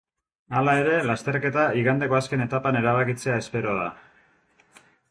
Hala ere, lasterketa igandeko azken etapan erabakitzea espero da.